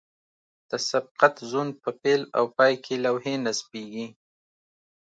د سبقت زون په پیل او پای کې لوحې نصبیږي